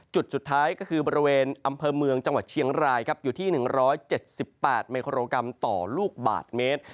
จุดสุดท้ายก็คือบริเวณอำเภอเมืองจังหวัดเชียงรายอยู่ที่๑๗๘มิโครกรัมต่อลูกบาทเมตร